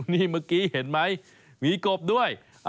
นี่เมื่อกี้เห็นไหมมีกบด้วย